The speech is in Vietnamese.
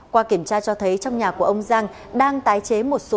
qua kiểm tra cho thấy trong nhà của ông giang đang tái chế một số